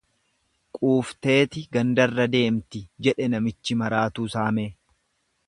Quufteeti gandarra deemti jedhe namichi maraatuu saamee.